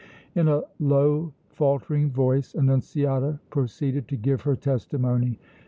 In a low, faltering voice Annunziata proceeded to give her testimony.